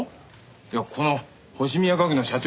いやこの星宮家具の社長